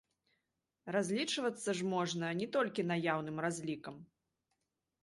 Разлічвацца ж можна не толькі наяўным разлікам!